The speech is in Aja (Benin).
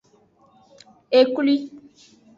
Eklwi.